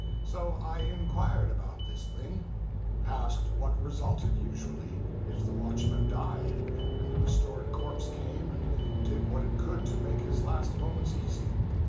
So I inquired about this thing; asked what resulted usually? if the watchman died, and the restored corpse came and did what it could to make his last moments easy.